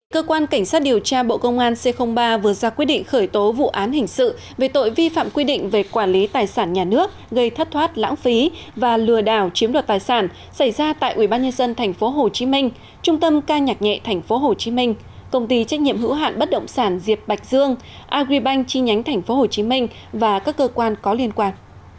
cơ quan cảnh sát điều tra bộ công an c ba vừa ra quyết định khởi tố vụ án hình sự về tội vi phạm quy định về quản lý tài sản nhà nước gây thất thoát lãng phí và lừa đảo chiếm đoạt tài sản xảy ra tại ubnd tp hcm trung tâm ca nhạc nhẹ tp hcm công ty trách nhiệm hữu hạn bất động sản diệp bạch dương agribank chi nhánh tp hcm và các cơ quan có liên quan